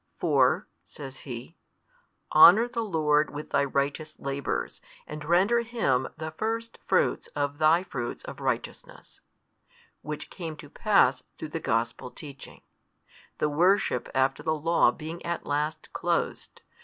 For (says he) Honour the Lord with thy |217 righteous labours, and render Him the first fruits of thy fruits of righteousness, which came to pass through the Gospel teaching, the worship after the law being at last closed.